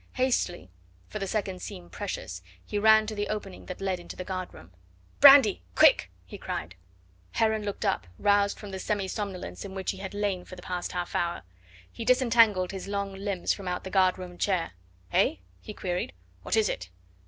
Hastily for the seconds seemed precious he ran to the opening that led into the guard room. "Brandy quick!" he cried. Heron looked up, roused from the semi somnolence in which he had lain for the past half hour. He disentangled his long limbs from out the guard room chair. "Eh?" he queried. "What is it?"